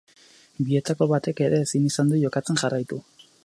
Bietako batek ere ezin izan du jokatzem jarraitu.